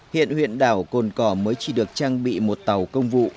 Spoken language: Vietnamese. hiện huyện đảo cồn cỏ mới chỉ được trang bị một tàu công vụ